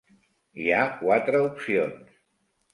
Hi ha quatre opcions.